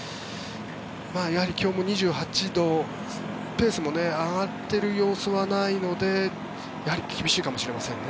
やはり気温も２８度ペースも上がっている様子はないのでやはり厳しいかもしれませんね。